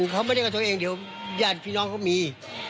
เขาไม่ได้กับตัวเองเดี๋ยวญาติพี่น้องเขามี